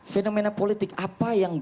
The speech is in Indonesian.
fenomena politik apa yang